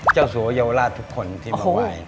เจ้าสวยาวราชทุกคนที่มาไหว่